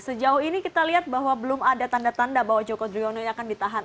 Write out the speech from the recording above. sejauh ini kita lihat bahwa belum ada tanda tanda bahwa joko driono akan ditahan